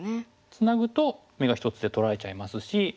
ツナぐと眼が１つで取られちゃいますし。